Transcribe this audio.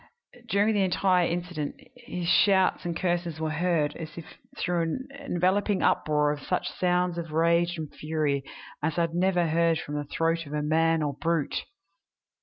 During the entire incident his shouts and curses were heard, as if through an enveloping uproar of such sounds of rage and fury as I had never heard from the throat of man or brute!